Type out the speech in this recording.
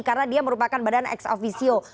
karena dia merupakan badan ex officio